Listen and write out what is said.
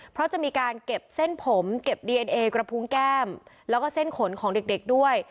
เพราะจะมีการเก็บเส้นผมเก็บดีเอ็นเอกระพุงแก้มแล้วก็เส้นขนของเด็กด้วย